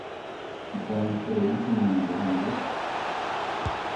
Iporãiterei che memby ha nde